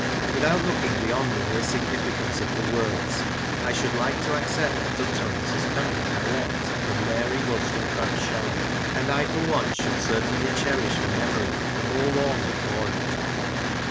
Without looking beyond the mere significance of the words, I should Hke to accept that utterance as coming direct from Mary Wollstonecraft Shelley ; and I for one should certainly cherish her memory the more warmly for it.